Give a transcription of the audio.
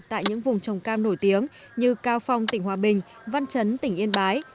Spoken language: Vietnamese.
tại những vùng trồng cam nổi tiếng như cao phong tỉnh hòa bình văn chấn tỉnh yên bái